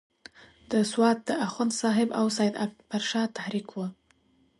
د سوات د اخوند صاحب او سید اکبر شاه تحریک وو.